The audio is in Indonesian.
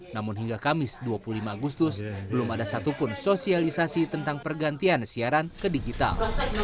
namun hingga kamis dua puluh lima agustus belum ada satupun sosialisasi tentang pergantian siaran ke digital